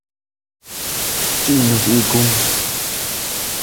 Chinu bikum.